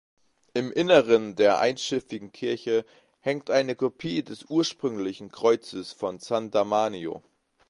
Im Inneren der einschiffigen Kirche hängt eine Kopie des ursprünglichen Kreuzes von San Damiano.